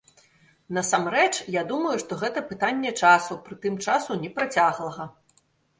Насамрэч я думаю, што гэта пытанне часу, прытым часу непрацяглага.